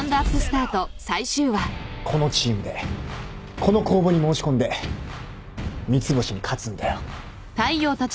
このチームでこの公募に申し込んで三ツ星に勝つんだよ。